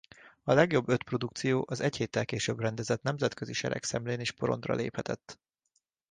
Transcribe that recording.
A legjobb öt produkció az egy héttel később rendezett nemzetközi seregszemlén is porondra léphetett.